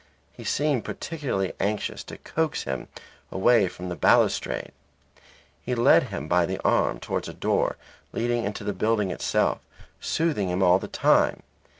He seemed particularly anxious to coax him away from the balustrade. He led him by the arm towards a door leading into the building itself, soothing him all the time.